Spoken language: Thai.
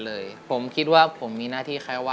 รายการต่อไปนี้เป็นรายการทั่วไปสามารถรับชมได้ทุกวัย